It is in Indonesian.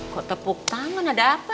kok tepuk tangan ada apa